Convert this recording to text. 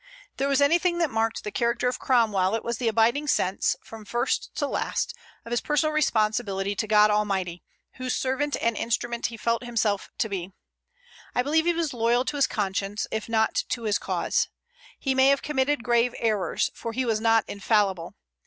If there was anything that marked the character of Cromwell, it was the abiding sense, from first to last, of his personal responsibility to God Almighty, whose servant and instrument he felt himself to be. I believe he was loyal to his conscience, if not to his cause. He may have committed grave errors, for he was not infallible.